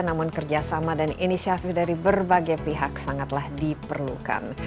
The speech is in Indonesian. namun kerjasama dan inisiatif dari berbagai pihak sangatlah diperlukan